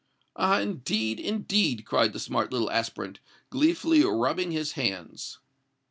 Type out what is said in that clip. "Ah! indeed! indeed!" cried the smart little aspirant, gleefully rubbing his hands.